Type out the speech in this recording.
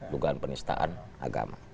tuguhan penistaan agama